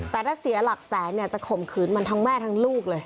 แต่ถ้าเสียหลักแสนเนี่ยจะข่มขืนมันทั้งแม่ทั้งลูกเลย